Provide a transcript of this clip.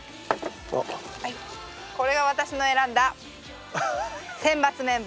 これが私の選んだ選抜メンバーです。